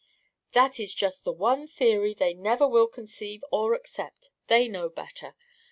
"That is just the one theory they never will conceive or accept. They know better.